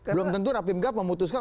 belum tentu rapim gap memutuskan